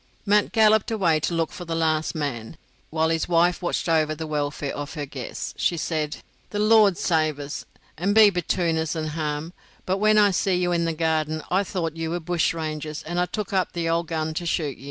Mat galloped away to look for the last man, while his wife watched over the welfare of her guests. She said: "The Lord save us, and be betune us and harm, but when I seen you in the garden I thought ye were bushrangers, and I took up the ould gun to shoot ye."